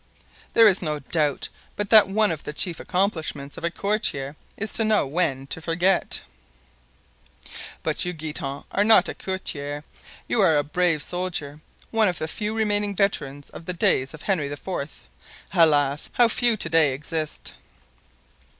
"There is no doubt but that one of the chief accomplishments of a courtier is to know when to forget." "But you, Guitant, are not a courtier. You are a brave soldier, one of the few remaining veterans of the days of Henry IV. Alas! how few to day exist!"